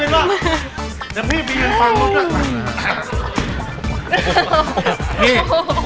เดี๋ยวพี่ไปยืนฟังก่อน